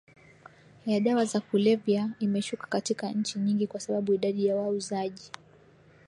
ya dawa za kulevya imeshuka katika nchi nyingi kwa sababu idadi ya wauzaji